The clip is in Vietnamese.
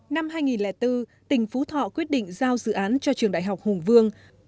năm hai nghìn bốn tỉnh phú thọ quyết định giao dự án cho trường đại học hùng vương